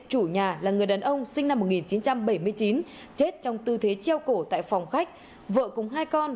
chủ nhà là người đàn ông sinh năm một nghìn chín trăm bảy mươi chín chết trong tư thế treo cổ tại phòng khách vợ cùng hai con